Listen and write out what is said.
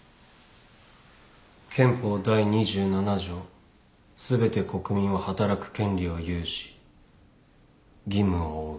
憲法第２７条すべて国民は働く権利を有し義務を負う。